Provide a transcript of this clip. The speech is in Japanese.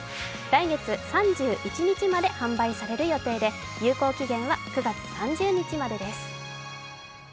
来月３１日まで販売される予定で有効期限は９月３０日までです。